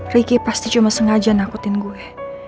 ricky pasti cuma sengaja nakutin gue